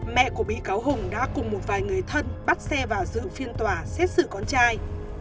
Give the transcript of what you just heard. mẹ của bị cáo hùng đã cùng một vài người thân bắt xe vào giữ phiên tòa xét xử con trai